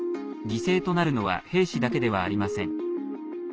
犠牲となるのは兵士だけではありません。